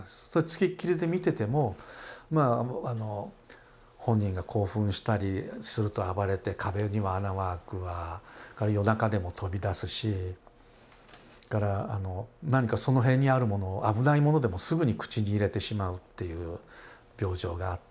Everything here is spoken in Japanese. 付きっきりで見ててもまあ本人が興奮したりすると暴れて壁には穴は開くわ夜中でも飛び出すしそれから何かその辺にあるもの危ないものでもすぐに口に入れてしまうっていう病状があって。